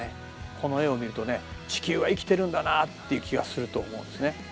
この絵を見ると地球は生きてるんだなっていう気がすると思うんですね。